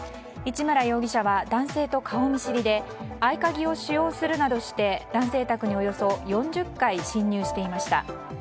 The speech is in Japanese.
市村容疑者は男性と顔見知りで合鍵を使用するなどして男性宅に、およそ４０回侵入していました。